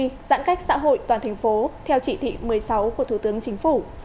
giãn cách xã hội toàn thành phố theo chỉ thị một mươi sáu của thủ tướng chính phủ